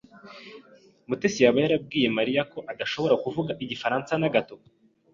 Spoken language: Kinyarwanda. Mutesi yaba yarabwiye Mariya ko adashobora kuvuga igifaransa na gato?